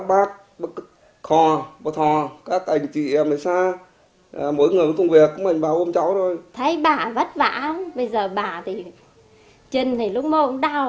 bây giờ bà thì chân thì lúc mơ cũng đau